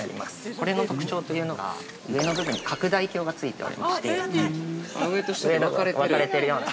これの特徴というのが上の部分拡大鏡がついておりまして分かれてるような。